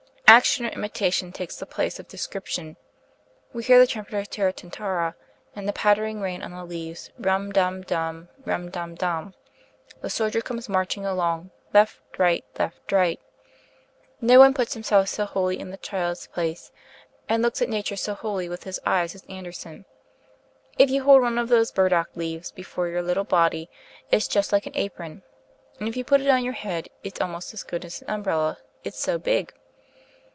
Action, or imitation, takes the place of description. We hear the trumpeter's taratantara and "the pattering rain on the leaves, rum dum dum, rum dum dum," The soldier "comes marching along, left, right, left, right." No one puts himself so wholly in the child's place and looks at nature so wholly with his eyes as Andersen. "If you hold one of those burdock leaves before your little body it's just like an apron, and if you put it on your head it's almost as good as an umbrella, it's so big."